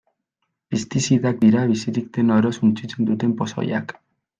Pestizidak dira bizirik den oro suntsitzen duten pozoiak.